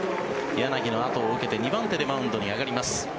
柳のあとを受けて２番手でマウンドに上がります。